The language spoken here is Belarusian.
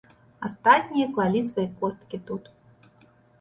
Астатнія клалі свае косткі тут.